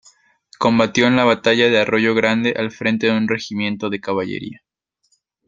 Combatió en la batalla de Arroyo Grande al frente de un regimiento de caballería.